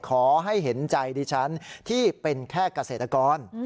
ขอให้เห็นใจดิฉันที่เป็นแค่เกษตรกร